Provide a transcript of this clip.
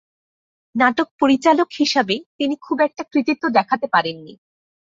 নাটক পরিচালক হিসাবে তিনি খুব একটা কৃতিত্ব দেখাতে পারেন নি।